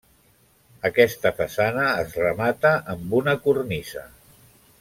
Aquesta façana es remata amb una cornisa.